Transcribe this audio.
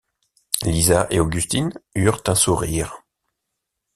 Lisa et Augustine eurent un sourire.